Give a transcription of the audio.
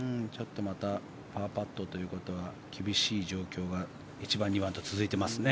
パーパットということは厳しい状況が１番、２番と続いていますね。